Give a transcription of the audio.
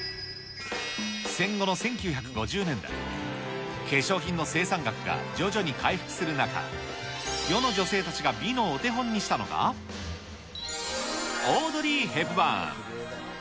戦後の１９５０年代、化粧品の生産額が徐々に回復する中、世の女性たちが美のお手本にしたのが、オードリー・ヘプバーン。